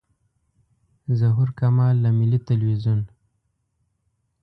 ظهور کمال له ملي تلویزیون.